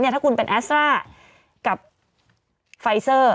ถ้าคุณเป็นแอสตรากับไฟเซอร์